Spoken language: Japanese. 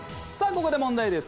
ここで問題です